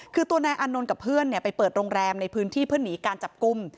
คือตัวนายอานนท์กับเพื่อนไปเปิดโรงแรมในพื้นที่เพื่อหนีการจับกลุ่ม